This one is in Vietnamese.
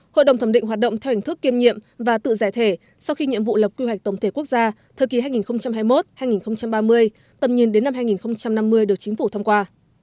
hội đồng thẩm định hoạt động theo hình thức kiêm nhiệm và tự giải thể sau khi nhiệm vụ lập quy hoạch tổng thể quốc gia thời kỳ hai nghìn hai mươi một hai nghìn ba mươi tầm nhìn đến năm hai nghìn năm mươi được chính phủ thông qua